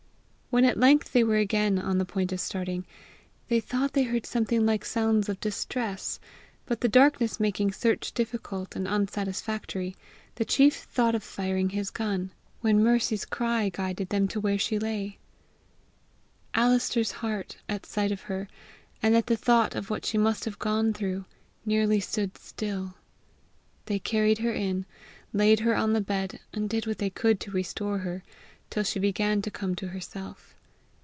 When at length they were again on the point of starting, they thought they heard something like sounds of distress, but the darkness making search difficult and unsatisfactory, the chief thought of firing his gun, when Mercy's cry guided them to where she lay. Alister's heart, at sight of her, and at the thought of what she must have gone through, nearly stood still. They carried her in, laid her on the bed, and did what they could to restore her, till she began to come to herself.